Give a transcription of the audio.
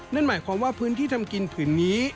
นั่นหมายความว่าพื้นที่ทำกินผืนนี้